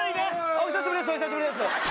お久しぶりですお久しぶりです。